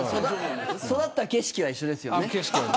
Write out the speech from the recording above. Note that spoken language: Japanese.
育った景色は一緒ですよね。